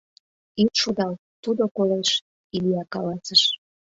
— Ит шудал: тудо колеш, — Илья каласыш.